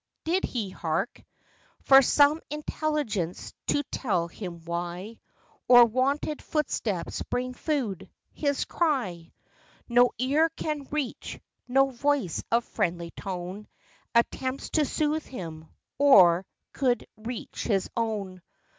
Did he hark For some intelligence, to tell him why ; Or wonted footsteps bringing food ! his cry No ear can reach ; no voice of friendly tone Attempts to soothe him, or could reach his own.